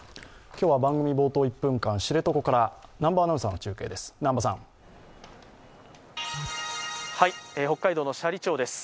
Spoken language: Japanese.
今日は番組冒頭１分間、知床から南波アナウンサーの中継です。